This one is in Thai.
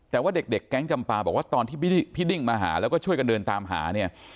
แต่ว่าเด็กแก๊งจำปาบอกว่าตอนที่พี่ดิ้งมาหาแล้วก็ช่วยกันเดินตามหาเนี่ย